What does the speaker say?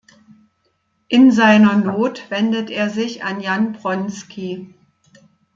In seiner Not wendet er sich an Jan Bronski.